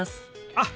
あっ！